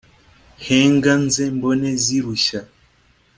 henga nze mbone zirushya,